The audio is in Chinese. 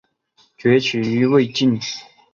崛起于魏晋。